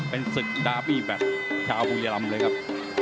เป็นศึกด่าเมี่ยแบบชาวพูลีลำเลยครับ